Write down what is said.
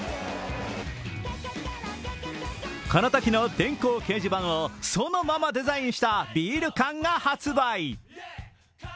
このときの電光掲示板をそのままデザインしたビール缶が発売。